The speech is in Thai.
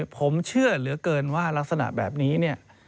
ผมเชื่อเหลือเกินว่ารักษณะแบบนี้เนี่ย